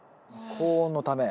高温のため。